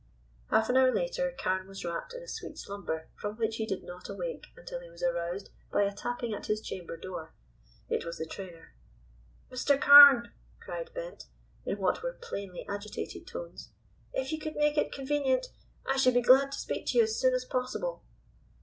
Half an hour later Carne was wrapped in a sweet slumber from which he did not awake until he was aroused by a tapping at his chamber door. It was the trainer. "Mr. Carne," cried Bent, in what were plainly agitated tones, "if you could make it convenient I should be glad to speak to you as soon as possible."